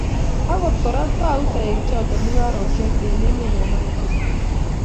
Akot kora, tou toek choto mungaresiek eng emenyo akotesetai